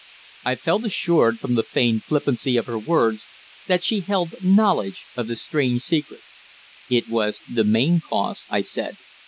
I felt assured, from the feigned flippancy of her words, that she held knowledge of the strange secret. "It was the main cause," I said.